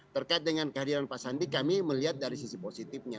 terkait dengan kehadiran pak sandi kami melihat dari sisi positifnya